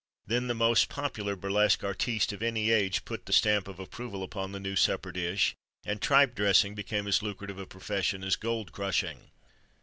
Then the most popular burlesque artiste of any age put the stamp of approval upon the new supper dish, and tripe dressing became as lucrative a profession as gold crushing.